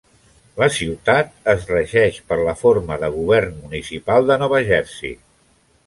La ciutat es regeix per la forma de govern municipal de Nova Jersey.